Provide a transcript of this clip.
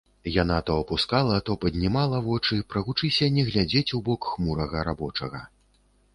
Яна то апускала, то паднімала вочы, прагучыся не глядзець у бок хмурага рабочага.